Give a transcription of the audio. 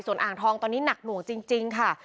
ส่วนอ่างทองตอนนี้หนักหน่วงจริงค่ะ